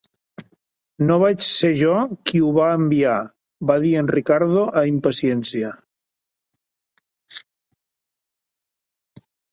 "No vaig ser jo qui ho va enviar", va dir en Ricardo a impaciència.